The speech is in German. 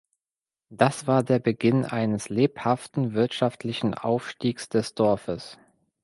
Das war der Beginn eines lebhaften wirtschaftlichen Aufstiegs des Dorfes.